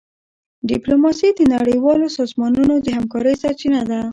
ډيپلوماسي د نړیوالو سازمانونو د همکارۍ سرچینه ده.